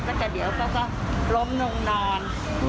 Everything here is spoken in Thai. แต่เดี๋ยวเขาก็ล้มลงนอน